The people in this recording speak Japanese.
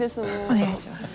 お願いします。